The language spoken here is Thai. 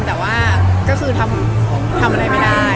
แต่ว่าก็คือทำอะไรไม่ได้